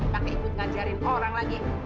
tapi ikut ngajarin orang lagi